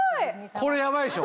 これヤバいでしょ？